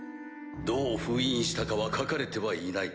どう封印したかは書かれてはいない。